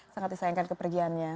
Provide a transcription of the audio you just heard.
sangat disayangkan kepergiannya